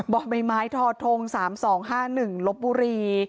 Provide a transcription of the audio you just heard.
บมธ๓๒๕๑ลบบุรี